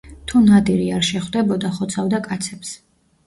თუ ნადირი არ შეხვდებოდა, ხოცავდა კაცებს.